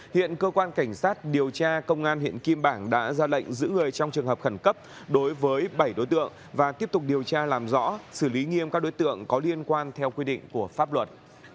hiện cơ quan cảnh sát điều tra công an huyện kim bảng đã ra lệnh giữ người trong trường hợp khẩn cấp đối với bảy đối tượng và tiếp tục điều tra làm rõ xử lý nghiêm các đối tượng có liên quan theo quy định của pháp luật